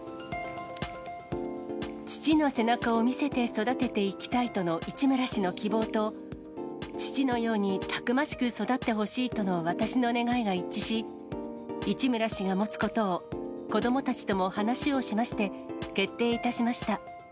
父の背中を見せて育てていきたいとの市村氏の希望と、父のようにたくましく育ってほしいとの私の願いが一致し、市村氏が持つことを、子どもたちとも話をしまして、決定いたしました。